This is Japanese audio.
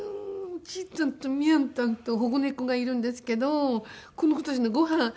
ちーたんとミャンたんと保護猫がいるんですけどこの子たちのごはんほら！